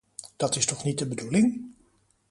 Dat is toch niet de bedoeling?